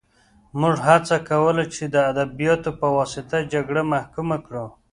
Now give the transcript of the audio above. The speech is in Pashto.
موږ هڅه کوله چې د ادبیاتو په واسطه جګړه محکومه کړو